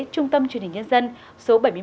trung tâm truyền hình nhân dân số bảy mươi hai